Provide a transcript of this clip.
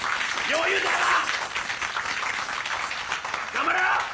頑張れよ！